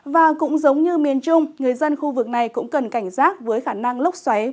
và cũng giống như miền trung người dân khu vực này cũng cần cảnh giác với khả năng lốc xoáy